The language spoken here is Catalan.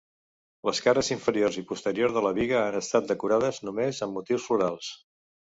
Les cares inferior i posterior de la biga han estat decorades només amb motius florals.